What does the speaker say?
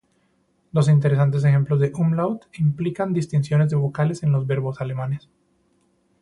Dos interesantes ejemplos de "umlaut" implican distinciones de vocales en los verbos alemanes.